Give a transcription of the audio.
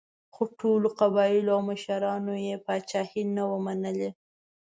خو ټولو قبایلو او مشرانو یې پاچاهي نه وه منلې.